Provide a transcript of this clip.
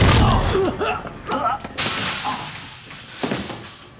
うわっ！